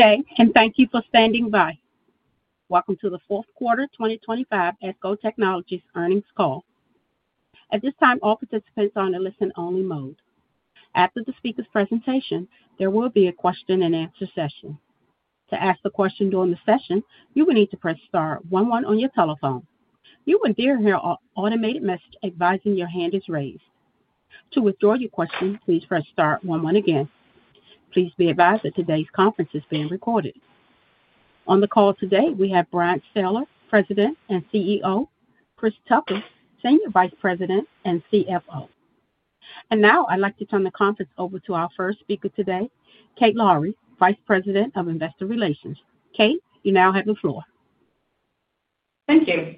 Okay, thank you for standing by. Welcome to the fourth quarter 2025 ESCO Technologies earnings call. At this time, all participants are on a listen-only mode. After the speaker's presentation, there will be a question-and-answer session. To ask a question during the session, you will need to press star 11 on your telephone. You will then hear an automated message advising your hand is raised. To withdraw your question, please press star 11 again. Please be advised that today's conference is being recorded. On the call today, we have Bryan Sayler, President and CEO; Chris Tucker, Senior Vice President and CFO. Now, I'd like to turn the conference over to our first speaker today, Kate Lowrey, Vice President of Investor Relations. Kate, you now have the floor. Thank you.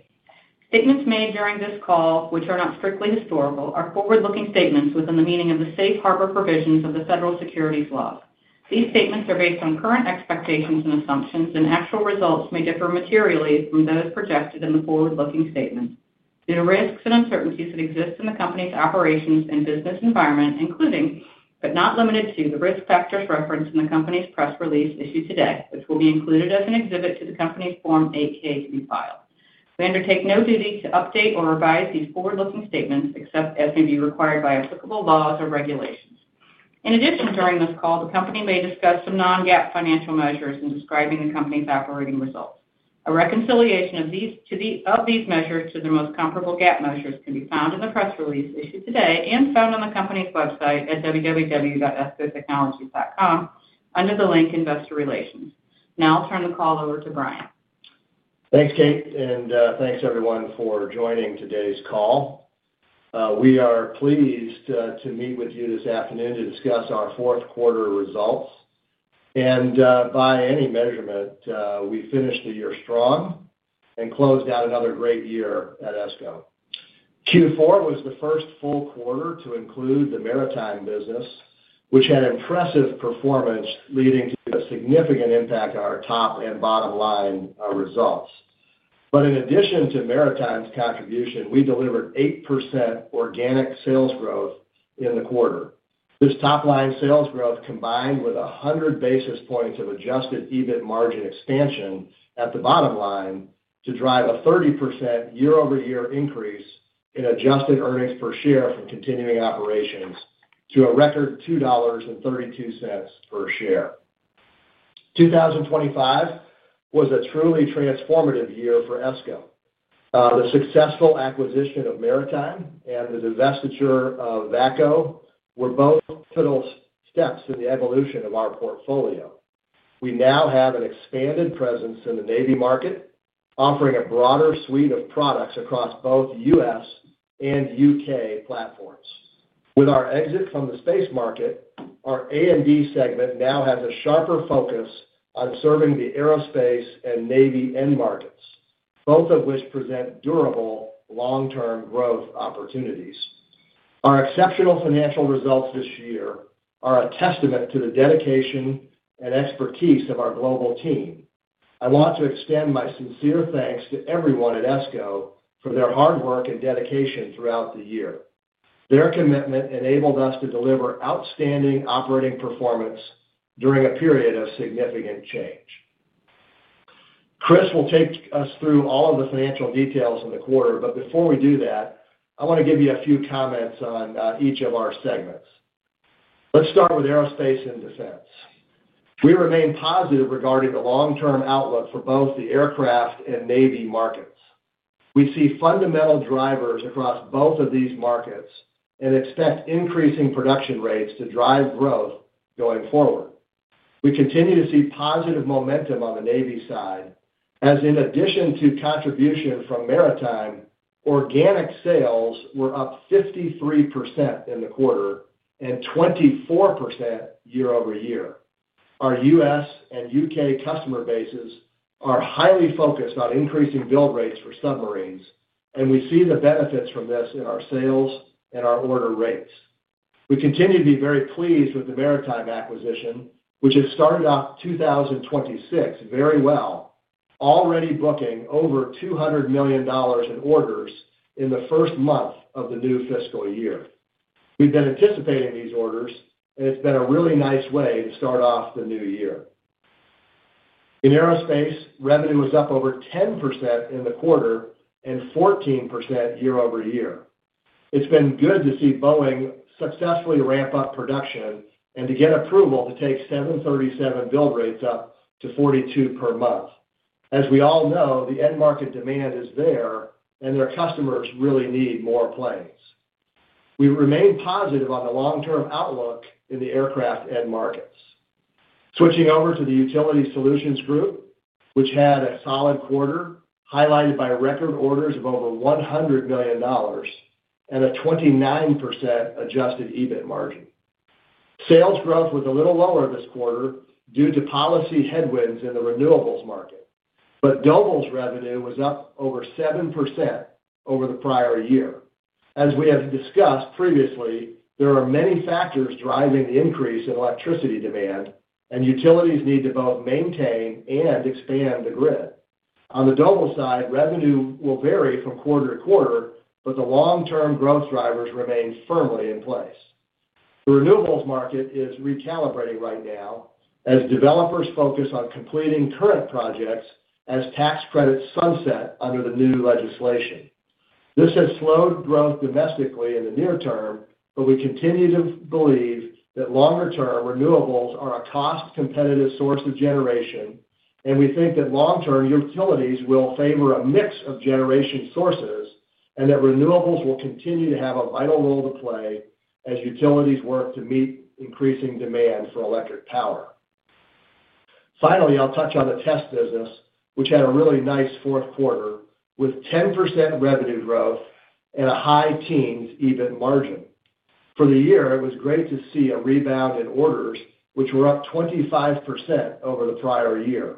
Statements made during this call, which are not strictly historical, are forward-looking statements within the meaning of the safe harbor provisions of the federal securities law. These statements are based on current expectations and assumptions, and actual results may differ materially from those projected in the forward-looking statement due to risks and uncertainties that exist in the company's operations and business environment, including, but not limited to, the risk factors referenced in the company's press release issued today, which will be included as an exhibit to the company's Form 8K to be filed. We undertake no duty to update or revise these forward-looking statements except as may be required by applicable laws or regulations. In addition, during this call, the company may discuss some non-GAAP financial measures in describing the company's operating results. A reconciliation of these measures to the most comparable GAAP measures can be found in the press release issued today and found on the company's website at www.escotechnologies.com under the link Investor Relations. Now, I'll turn the call over to Bryan. Thanks, Kate, and thanks, everyone, for joining today's call. We are pleased to meet with you this afternoon to discuss our fourth quarter results. By any measurement, we finished the year strong and closed out another great year at ESCO. Q4 was the first full quarter to include the Maritime business, which had impressive performance leading to a significant impact on our top and bottom line results. In addition to Maritime's contribution, we delivered 8% organic sales growth in the quarter. This top-line sales growth combined with 100 basis points of adjusted EBIT margin expansion at the bottom line to drive a 30% year-over-year increase in adjusted earnings per share from continuing operations to a record $2.32 per share. 2025 was a truly transformative year for ESCO. The successful acquisition of Maritime and the divestiture of VACO were both pivotal steps in the evolution of our portfolio. We now have an expanded presence in the Navy market, offering a broader suite of products across both U.S. and U.K. platforms. With our exit from the space market, our A&D segment now has a sharper focus on serving the aerospace and Navy end markets, both of which present durable, long-term growth opportunities. Our exceptional financial results this year are a testament to the dedication and expertise of our global team. I want to extend my sincere thanks to everyone at ESCO for their hard work and dedication throughout the year. Their commitment enabled us to deliver outstanding operating performance during a period of significant change. Chris will take us through all of the financial details in the quarter, but before we do that, I want to give you a few comments on each of our segments. Let's start with aerospace and defense. We remain positive regarding the long-term outlook for both the aircraft and Navy markets. We see fundamental drivers across both of these markets and expect increasing production rates to drive growth going forward. We continue to see positive momentum on the Navy side, as in addition to contribution from Maritime, organic sales were up 53% in the quarter and 24% year-over-year. Our U.S. and U.K. customer bases are highly focused on increasing build rates for submarines, and we see the benefits from this in our sales and our order rates. We continue to be very pleased with the Maritime acquisition, which has started off 2026 very well, already booking over $200 million in orders in the first month of the new fiscal year. We've been anticipating these orders, and it's been a really nice way to start off the new year. In aerospace, revenue was up over 10% in the quarter and 14% year-over-year. It's been good to see Boeing successfully ramp up production and to get approval to take 737 build rates up to 42 per month. As we all know, the end market demand is there, and their customers really need more planes. We remain positive on the long-term outlook in the aircraft end markets. Switching over to the Utility Solutions Group, which had a solid quarter highlighted by record orders of over $100 million and a 29% adjusted EBIT margin. Sales growth was a little lower this quarter due to policy headwinds in the renewables market, but Doble's revenue was up over 7% over the prior year. As we have discussed previously, there are many factors driving the increase in electricity demand, and utilities need to both maintain and expand the grid. On the Doble side, revenue will vary from quarter to quarter, but the long-term growth drivers remain firmly in place. The renewables market is recalibrating right now as developers focus on completing current projects as tax credits sunset under the new legislation. This has slowed growth domestically in the near term, but we continue to believe that longer-term renewables are a cost-competitive source of generation, and we think that long-term utilities will favor a mix of generation sources and that renewables will continue to have a vital role to play as utilities work to meet increasing demand for electric power. Finally, I'll touch on the test business, which had a really nice fourth quarter with 10% revenue growth and a high teens EBIT margin. For the year, it was great to see a rebound in orders, which were up 25% over the prior year.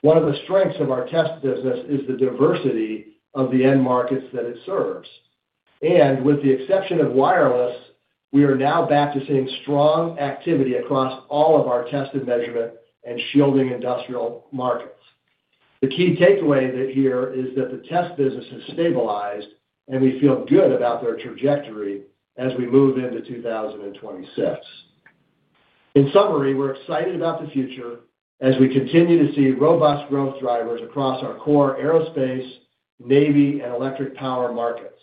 One of the strengths of our test business is the diversity of the end markets that it serves. With the exception of wireless, we are now seeing strong activity across all of our test and measurement and shielding industrial markets. The key takeaway here is that the test business has stabilized, and we feel good about their trajectory as we move into 2026. In summary, we're excited about the future as we continue to see robust growth drivers across our core aerospace, Navy, and electric power markets.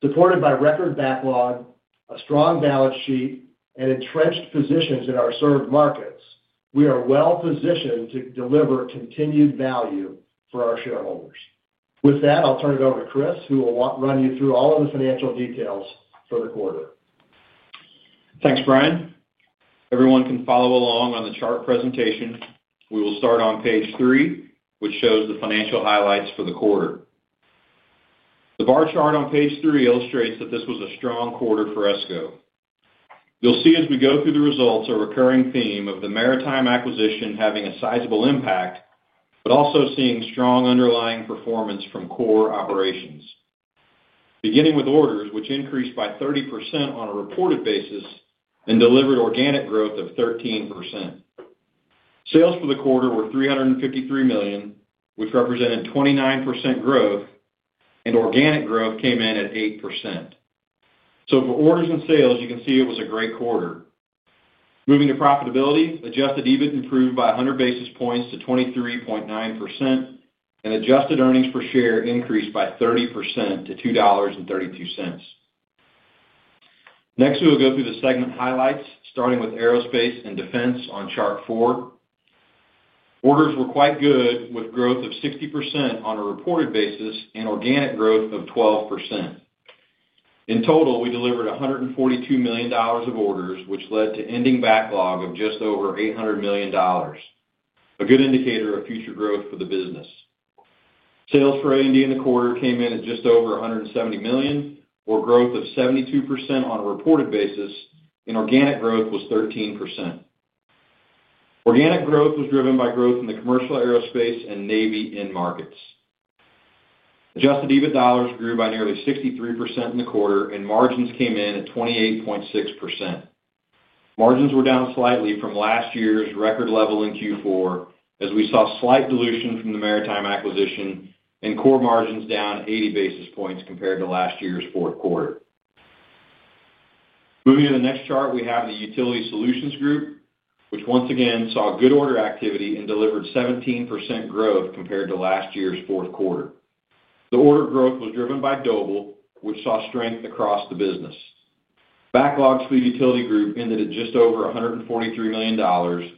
Supported by record backlog, a strong balance sheet, and entrenched positions in our served markets, we are well positioned to deliver continued value for our shareholders. With that, I'll turn it over to Chris, who will run you through all of the financial details for the quarter. Thanks, Bryan. Everyone can follow along on the chart presentation. We will start on page three, which shows the financial highlights for the quarter. The bar chart on page three illustrates that this was a strong quarter for ESCO. You'll see as we go through the results a recurring theme of the Maritime acquisition having a sizable impact, but also seeing strong underlying performance from core operations. Beginning with orders, which increased by 30% on a reported basis and delivered organic growth of 13%. Sales for the quarter were $353 million, which represented 29% growth, and organic growth came in at 8%. For orders and sales, you can see it was a great quarter. Moving to profitability, adjusted EBIT improved by 100 basis points to 23.9%, and adjusted earnings per share increased by 30% to $2.32. Next, we'll go through the segment highlights, starting with aerospace and defense on chart four. Orders were quite good, with growth of 60% on a reported basis and organic growth of 12%. In total, we delivered $142 million of orders, which led to ending backlog of just over $800 million, a good indicator of future growth for the business. Sales for A&D in the quarter came in at just over $170 million, or growth of 72% on a reported basis, and organic growth was 13%. Organic growth was driven by growth in the commercial aerospace and Navy end markets. Adjusted EBIT grew by nearly 63% in the quarter, and margins came in at 28.6%. Margins were down slightly from last year's record level in Q4, as we saw slight dilution from the Maritime acquisition and core margins down 80 basis points compared to last year's fourth quarter. Moving to the next chart, we have the Utility Solutions Group, which once again saw good order activity and delivered 17% growth compared to last year's fourth quarter. The order growth was driven by Doble, which saw strength across the business. Backlog for the Utility group ended at just over $143 million,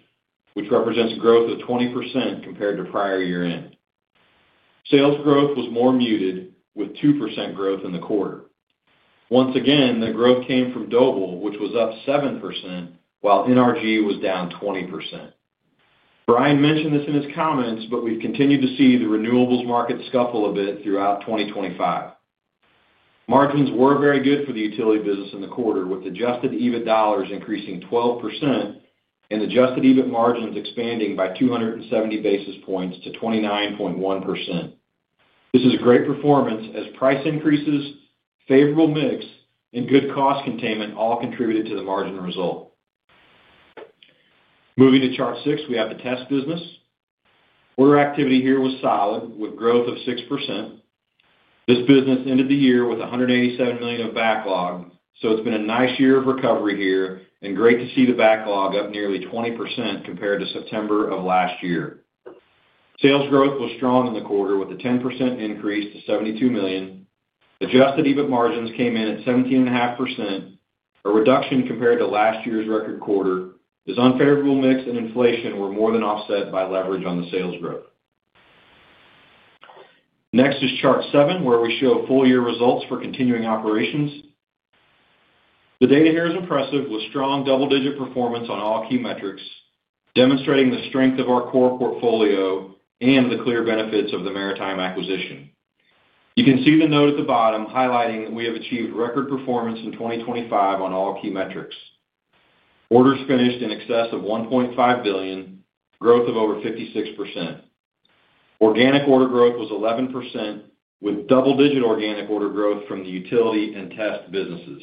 which represents a growth of 20% compared to prior year-end. Sales growth was more muted, with 2% growth in the quarter. Once again, the growth came from Doble, which was up 7%, while NRG was down 20%. Bryan mentioned this in his comments, but we've continued to see the renewables market scuffle a bit throughout 2025. Margins were very good for the Utility business in the quarter, with adjusted EBIT increasing 12% and adjusted EBIT margins expanding by 270 basis points to 29.1%. This is a great performance as price increases, favorable mix, and good cost containment all contributed to the margin result. Moving to chart six, we have the test business. Order activity here was solid, with growth of 6%. This business ended the year with $187 million of backlog, so it's been a nice year of recovery here and great to see the backlog up nearly 20% compared to September of last year. Sales growth was strong in the quarter, with a 10% increase to $72 million. Adjusted EBIT margins came in at 17.5%, a reduction compared to last year's record quarter. This unfavorable mix and inflation were more than offset by leverage on the sales growth. Next is chart seven, where we show full-year results for continuing operations. The data here is impressive, with strong double-digit performance on all key metrics, demonstrating the strength of our core portfolio and the clear benefits of the Maritime acquisition. You can see the note at the bottom highlighting that we have achieved record performance in 2025 on all key metrics. Orders finished in excess of $1.5 billion, growth of over 56%. Organic order growth was 11%, with double-digit organic order growth from the utility and test businesses.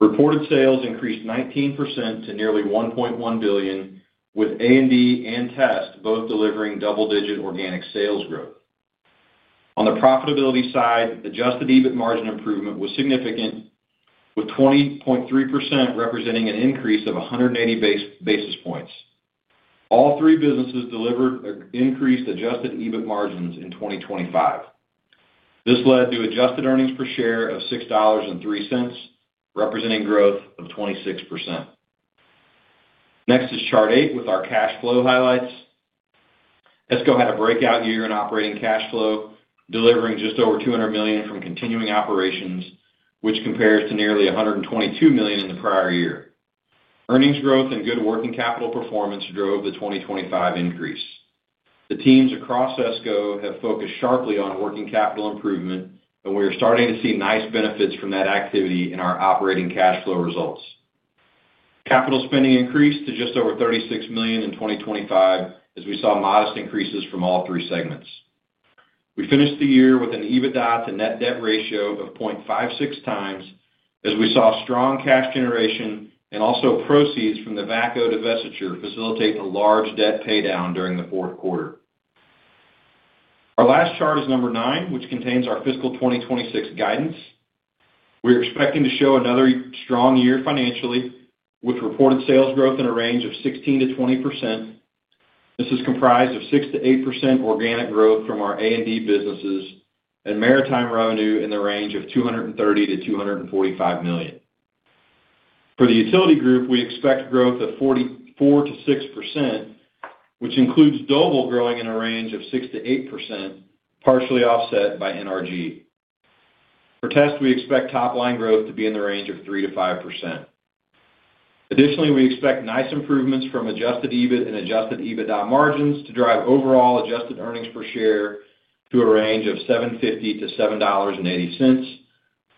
Reported sales increased 19% to nearly $1.1 billion, with A&D and test both delivering double-digit organic sales growth. On the profitability side, adjusted EBIT margin improvement was significant, with 20.3% representing an increase of 180 basis points. All three businesses delivered increased adjusted EBIT margins in 2025. This led to adjusted earnings per share of $6.03, representing growth of 26%. Next is chart eight with our cash flow highlights. ESCO had a breakout year in operating cash flow, delivering just over $200 million from continuing operations, which compares to nearly $122 million in the prior year. Earnings growth and good working capital performance drove the 2025 increase. The teams across ESCO have focused sharply on working capital improvement, and we are starting to see nice benefits from that activity in our operating cash flow results. Capital spending increased to just over $36 million in 2025, as we saw modest increases from all three segments. We finished the year with an EBITDA to net debt ratio of 0.56 times, as we saw strong cash generation and also proceeds from the VACO divestiture facilitate a large debt paydown during the fourth quarter. Our last chart is number nine, which contains our fiscal 2026 guidance. We are expecting to show another strong year financially, with reported sales growth in a range of 16%-20%. This is comprised of 6%-8% organic growth from our A&D businesses and maritime revenue in the range of $230 million-$245 million. For the utility group, we expect growth of 4%-6%, which includes Doble growing in a range of 6%-8%, partially offset by NRG. For test, we expect top-line growth to be in the range of 3%-5%. Additionally, we expect nice improvements from adjusted EBIT and adjusted EBITDA margins to drive overall adjusted earnings per share to a range of $7.50-$7.80,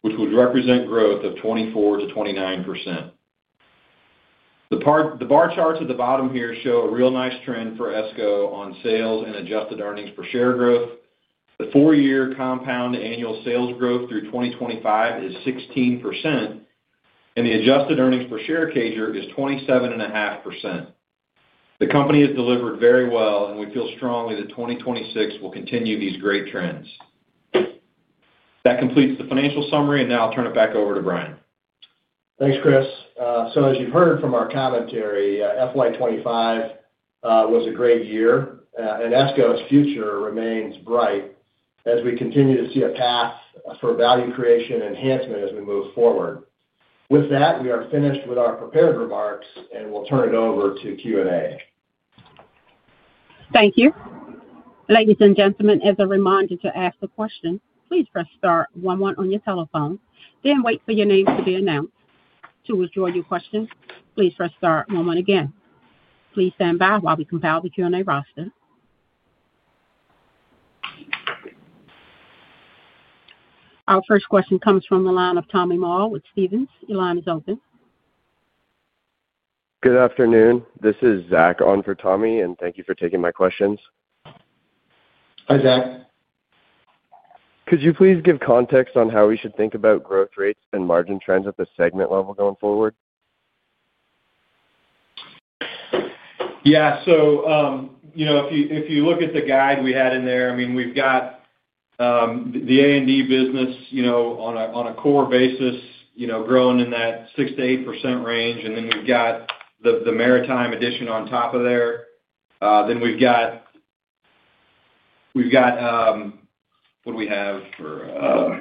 which would represent growth of 24%-29%. The bar charts at the bottom here show a real nice trend for ESCO on sales and adjusted earnings per share growth. The four-year compound annual sales growth through 2025 is 16%, and the adjusted earnings per share CAGR is 27.5%. The company has delivered very well, and we feel strongly that 2026 will continue these great trends. That completes the financial summary, and now I'll turn it back over to Bryan. Thanks, Chris. As you've heard from our commentary, FY25 was a great year, and ESCO's future remains bright as we continue to see a path for value creation and enhancement as we move forward. With that, we are finished with our prepared remarks, and we'll turn it over to Q&A. Thank you. Ladies and gentlemen, as a reminder to ask the question, please press star one-one on your telephone. Then wait for your name to be announced. To withdraw your question, please press star one-one again. Please stand by while we compile the Q&A roster. Our first question comes from the line of Tommy Moll with Stephens. Your line is open. Good afternoon. This is Zack on for Tommy, and thank you for taking my questions. Hi, Zack. Could you please give context on how we should think about growth rates and margin trends at the segment level going forward? Yeah. If you look at the guide we had in there, I mean, we've got the A&D business on a core basis growing in that 6%-8% range, and then we've got the maritime addition on top of there. We've got what do we have for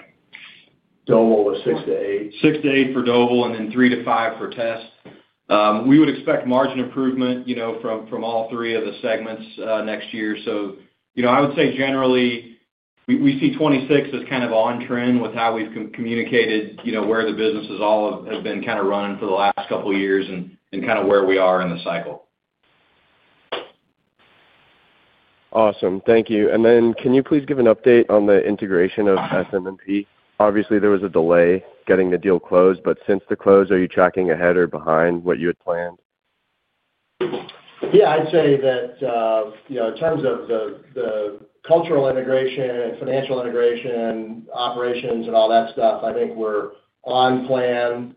Doble? 6%-8%. 6%-8% for Doble, and then 3%-5% for test. We would expect margin improvement from all three of the segments next year. I would say generally, we see 26% as kind of on-trend with how we've communicated where the businesses all have been kind of running for the last couple of years and kind of where we are in the cycle. Awesome. Thank you. Can you please give an update on the integration of SM&T? Obviously, there was a delay getting the deal closed, but since the close, are you tracking ahead or behind what you had planned? Yeah. I'd say that in terms of the cultural integration and financial integration, operations, and all that stuff, I think we're on plan,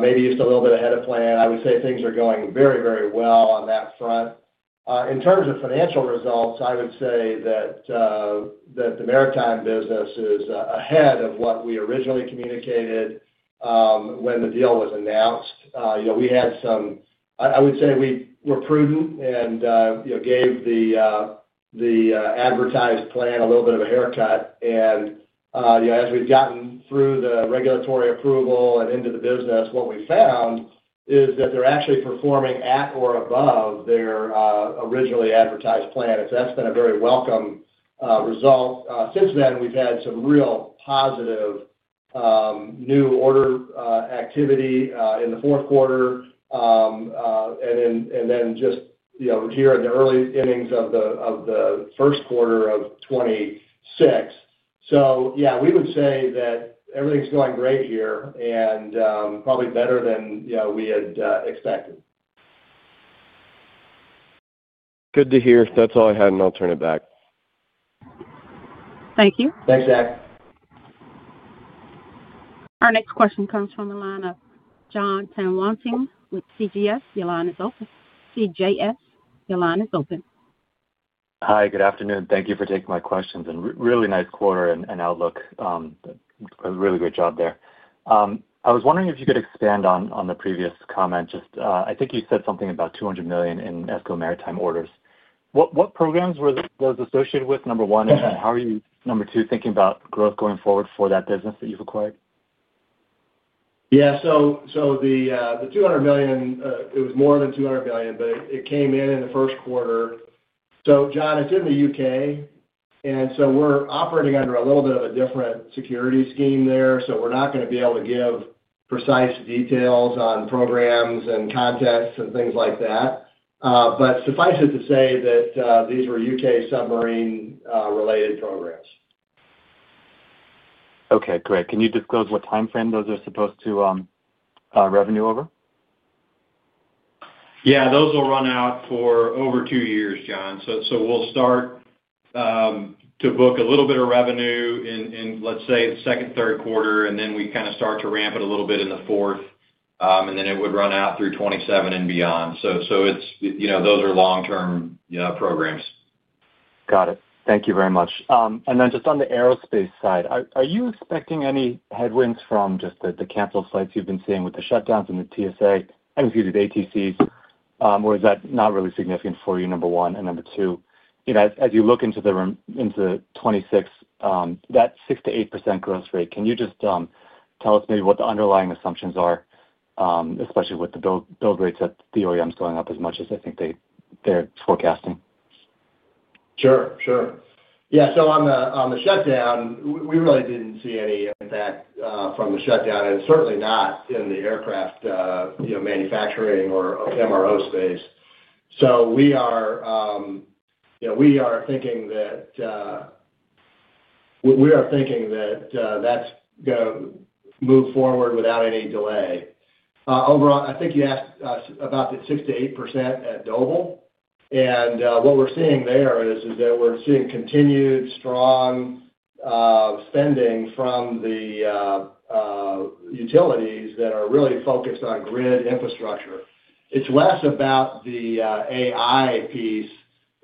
maybe just a little bit ahead of plan. I would say things are going very, very well on that front. In terms of financial results, I would say that the Maritime business is ahead of what we originally communicated when the deal was announced. We had some—I would say we were prudent and gave the advertised plan a little bit of a haircut. As we've gotten through the regulatory approval and into the business, what we found is that they're actually performing at or above their originally advertised plan. That has been a very welcome result. Since then, we've had some real positive new order activity in the fourth quarter and just here in the early innings of the first quarter of 2026. Yeah, we would say that everything's going great here and probably better than we had expected. Good to hear. That's all I had, and I'll turn it back. Thank you. Thanks, Zack. Our next question comes from the line of John Tanwanteng with CJS Securities. Your line is open. Hi. Good afternoon. Thank you for taking my questions. Really nice quarter and outlook. Really great job there. I was wondering if you could expand on the previous comment. I think you said something about $200 million in ESCO maritime orders. What programs were those associated with, number one? How are you, number two, thinking about growth going forward for that business that you've acquired? Yeah. The $200 million, it was more than $200 million, but it came in in the first quarter. John, it's in the U.K., and we're operating under a little bit of a different security scheme there. We're not going to be able to give precise details on programs and contexts and things like that. Suffice it to say that these were U.K. submarine-related programs. Okay. Great. Can you disclose what timeframe those are supposed to revenue over? Yeah. Those will run out for over two years, John. We'll start to book a little bit of revenue in, let's say, the second, third quarter, and then we kind of start to ramp it a little bit in the fourth, and it would run out through 2027 and beyond. Those are long-term programs. Got it. Thank you very much. Just on the aerospace side, are you expecting any headwinds from just the canceled flights you've been seeing with the shutdowns in the TSA, excuse me, the ATCs? Is that not really significant for you, number one? Number two, as you look into 2026, that 6%-8% growth rate, can you just tell us maybe what the underlying assumptions are, especially with the build rates at the OEMs going up as much as I think they're forecasting? Sure. Yeah. On the shutdown, we really didn't see any impact from the shutdown, and certainly not in the aircraft manufacturing or MRO space. We are thinking that that's going to move forward without any delay. Overall, I think you asked us about the 6%-8% at Doble. What we're seeing there is continued strong spending from the utilities that are really focused on grid infrastructure. It's less about the AI piece,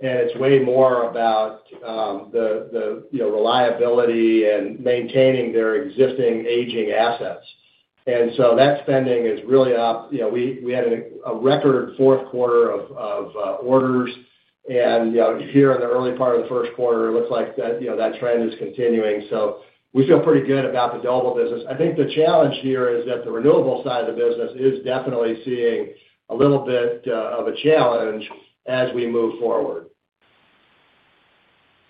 and it's way more about the reliability and maintaining their existing aging assets. That spending is really up. We had a record fourth quarter of orders, and here in the early part of the first quarter, it looks like that trend is continuing. We feel pretty good about the Doble business. I think the challenge here is that the renewable side of the business is definitely seeing a little bit of a challenge as we move forward.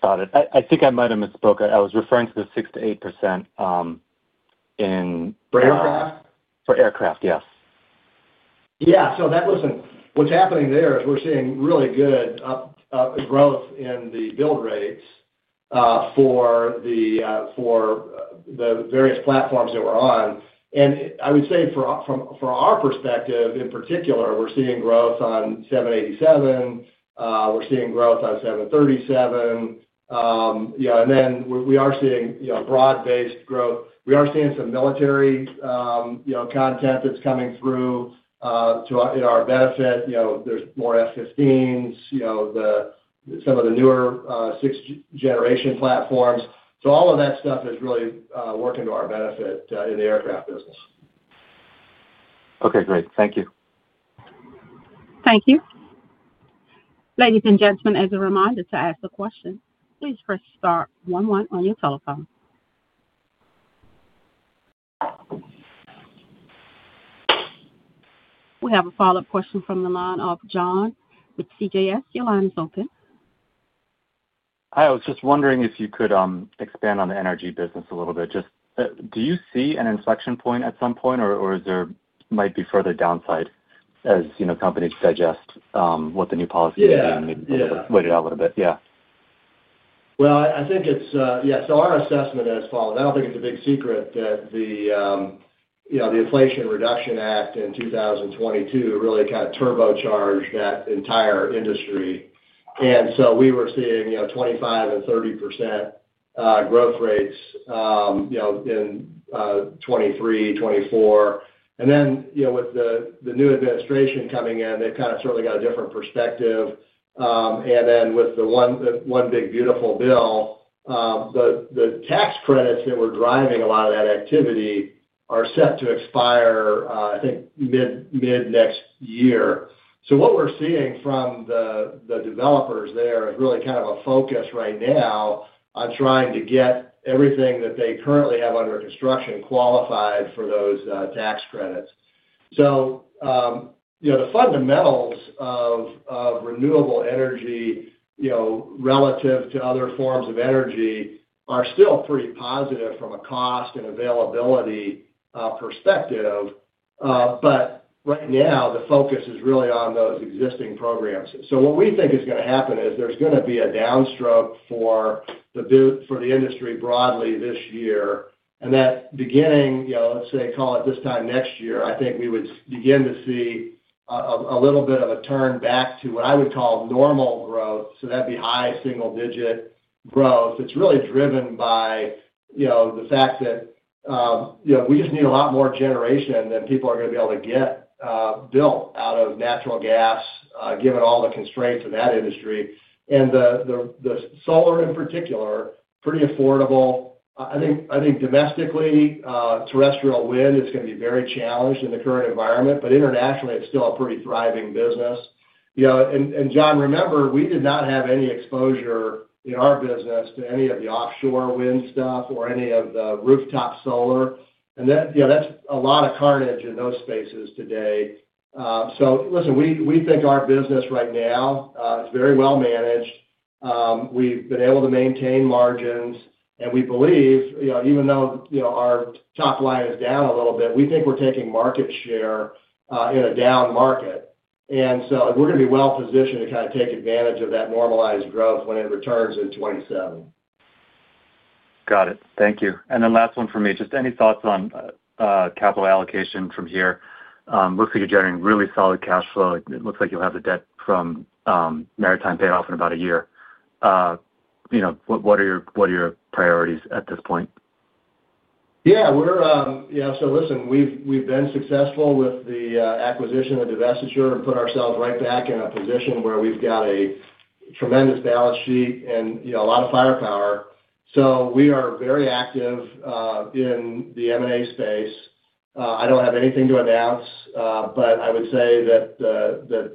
Got it. I think I might have misspoke. I was referring to the 6%-8% in. For aircraft? For aircraft, yes. Yeah. What's happening there is we're seeing really good growth in the build rates for the various platforms that we're on. I would say from our perspective in particular, we're seeing growth on 787. We're seeing growth on 737. We are seeing broad-based growth. We are seeing some military content that's coming through to our benefit. There's more F-15s, some of the newer sixth-generation platforms. All of that stuff is really working to our benefit in the aircraft business. Okay. Great. Thank you. Thank you. Ladies and gentlemen, as a reminder to ask the question, please press star one-one on your telephone. We have a follow-up question from the line of Jon Tanwanteng with CJS Securities. Your line is open. Hi. I was just wondering if you could expand on the energy business a little bit. Do you see an inflection point at some point, or is there might be further downside as companies digest what the new policy is and maybe weigh it out a little bit? Yeah. I think it's yeah. Our assessment is following. I don't think it's a big secret that the Inflation Reduction Act in 2022 really kind of turbocharged that entire industry. We were seeing 25% and 30% growth rates in 2023, 2024. With the new administration coming in, they've kind of certainly got a different perspective. With the one big beautiful bill, the tax credits that were driving a lot of that activity are set to expire, I think, mid-next year. What we're seeing from the developers there is really kind of a focus right now on trying to get everything that they currently have under construction qualified for those tax credits. The fundamentals of renewable energy relative to other forms of energy are still pretty positive from a cost and availability perspective. Right now, the focus is really on those existing programs. What we think is going to happen is there's going to be a downstroke for the industry broadly this year. Beginning, let's say, call it this time next year, I think we would begin to see a little bit of a turn back to what I would call normal growth. That would be high single-digit growth. It's really driven by the fact that we just need a lot more generation than people are going to be able to get built out of natural gas, given all the constraints of that industry. The solar in particular, pretty affordable. I think domestically, terrestrial wind is going to be very challenged in the current environment, but internationally, it's still a pretty thriving business. John, remember, we did not have any exposure in our business to any of the offshore wind stuff or any of the rooftop solar. That is a lot of carnage in those spaces today. Listen, we think our business right now is very well managed. We have been able to maintain margins, and we believe even though our top line is down a little bit, we think we are taking market share in a down market. We are going to be well positioned to kind of take advantage of that normalized growth when it returns in 2027. Got it. Thank you. Last one from me. Just any thoughts on capital allocation from here? Looks like you're generating really solid cash flow. It looks like you'll have the debt from Maritime paid off in about a year. What are your priorities at this point? Yeah. Yeah. Listen, we've been successful with the acquisition of Divestiture and put ourselves right back in a position where we've got a tremendous balance sheet and a lot of firepower. We are very active in the M&A space. I don't have anything to announce, but I would say that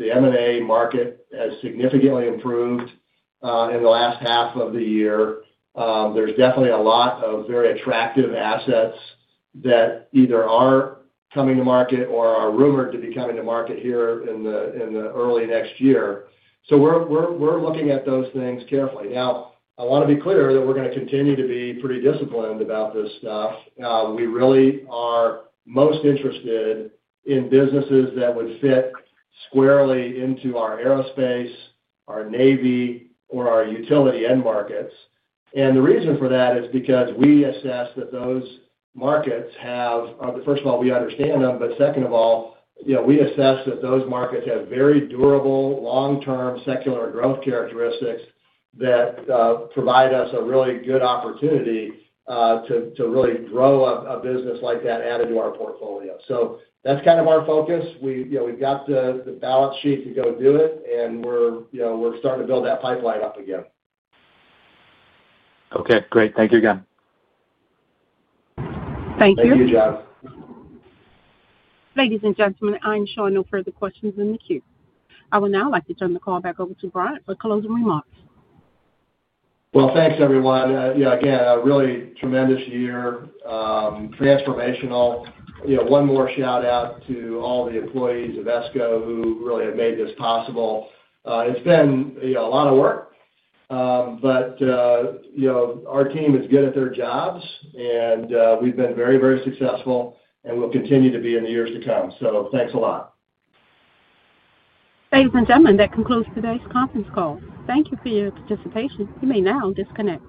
the M&A market has significantly improved in the last half of the year. There's definitely a lot of very attractive assets that either are coming to market or are rumored to be coming to market here in the early next year. We're looking at those things carefully. I want to be clear that we're going to continue to be pretty disciplined about this stuff. We really are most interested in businesses that would fit squarely into our aerospace, our navy, or our utility end markets. The reason for that is because we assess that those markets have, first of all, we understand them, but second of all, we assess that those markets have very durable, long-term secular growth characteristics that provide us a really good opportunity to really grow a business like that added to our portfolio. That is kind of our focus. We've got the balance sheet to go do it, and we're starting to build that pipeline up again. Okay. Great. Thank you again. Thank you. Thank you, John. Ladies and gentlemen, I ensure no further questions in the queue. I will now like to turn the call back over to Bryan for closing remarks. Thanks, everyone. Again, a really tremendous year, transformational. One more shout-out to all the employees of ESCO who really have made this possible. It's been a lot of work, but our team is good at their jobs, and we've been very, very successful, and we'll continue to be in the years to come. Thanks a lot. Ladies and gentlemen, that concludes today's conference call. Thank you for your participation. You may now disconnect.